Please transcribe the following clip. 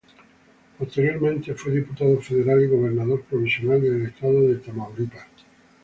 Posteriormente fue diputado federal y gobernador provisional del estado de Tamaulipas.